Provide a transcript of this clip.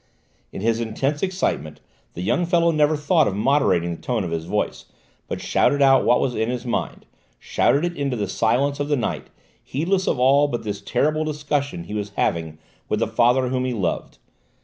In his intense excitement the young fellow never thought of moderating the tone of his voice, but shouted out what was in his mind, shouted it into the silence of the night, heedless of all but this terrible discussion he was having with the father whom he loved.